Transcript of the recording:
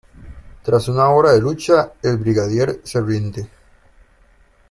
Tras una hora de lucha el brigadier se rinde.